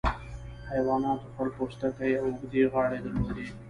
حیواناتو خړ پوستکي او اوږدې غاړې درلودې.